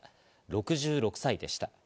６６歳でした。